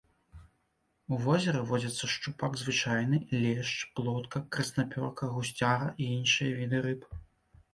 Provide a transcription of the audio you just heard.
У возеры водзяцца шчупак звычайны, лешч, плотка, краснапёрка, гусцяра і іншыя віды рыб.